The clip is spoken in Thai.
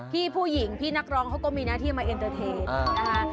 พี่ผู้หญิงพี่นักร้องเขาก็มีหน้าที่มาเอ็นเตอร์เทนนะคะ